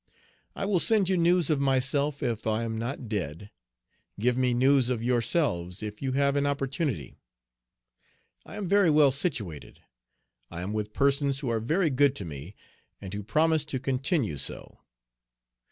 I will send you news of myself if I am not dead; give me news of yourselves if you have an opportunity. I am very well situated. I am with persons who are very good to me, and who promise to continue so.